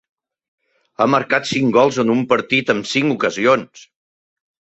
Ha marcat cinc gols en un partit amb cinc ocasions.